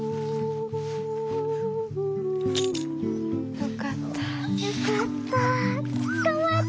よかった。